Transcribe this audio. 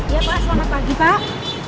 ya pak selamat pagi pak